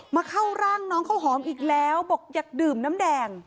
เข้าร่างน้องข้าวหอมอีกแล้วบอกอยากดื่มน้ำแดง